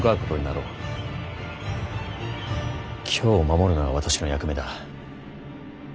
京を守るのが私の役目だ。